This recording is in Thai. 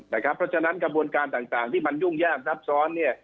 เพราะฉะนั้นกระบวนการต่างที่มันยุ่งยากซับซ้อน